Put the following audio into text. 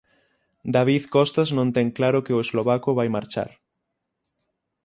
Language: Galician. David Costas non ten claro que o eslovaco vai marchar.